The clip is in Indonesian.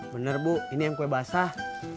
benar bu ini yang kue basah